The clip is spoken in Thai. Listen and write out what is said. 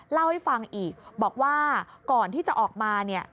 เล่าให้ฟังอีกบอกว่าก่อนที่จะออกมาเนี่ย